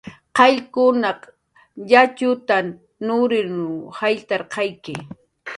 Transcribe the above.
Qayllkunaq yatxut nurinw jayllarqayki